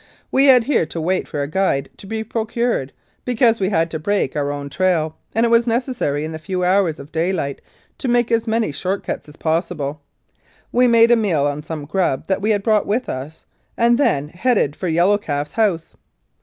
We had here to wait for a guide to be procured, because we had to break our own trail, and it was necessary in the few hours of daylight to make as many short cuts as possible. We made a meal on some grub that we had brought with us, and then headed for Yellow Calf's house.